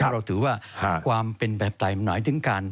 เราถือว่าความเป็นแบบไทยมันหมายถึงการ